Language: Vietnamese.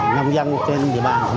nông dân trên địa bàn